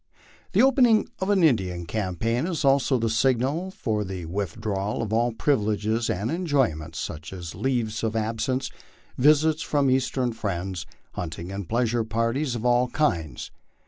The opening of an Indian campaign is also the signal for the withdrawal of all privileges and enjoyments, such as leaves of absence, visits from Eastern friends, hunting and pleasure parties of all kinds.